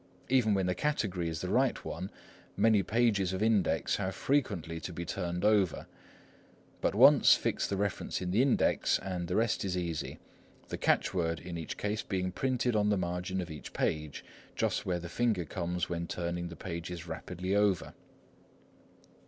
Even when the Category is the right one, many pages of Index have frequently to be turned over; but once fix the reference in the Index, and the rest is easy, the catch word in each case being printed on the margin of each page, just where the finger comes when turning the pages rapidly over.